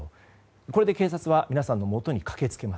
これで警察は皆さんのもとに駆け付けます。